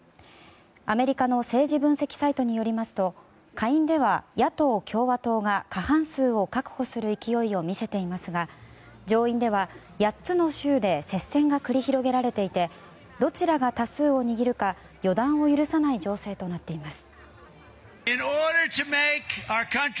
アメリカの政治分析サイトによりますと下院では野党・共和党が過半数を確保する勢いを見せていますが上院では８つの州で接戦が繰り広げられていてどちらが多数を握るか予断を許さない情勢となっています。